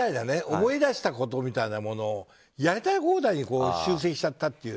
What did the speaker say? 思い出したことみたいなものをやりたい放題にしちゃったという。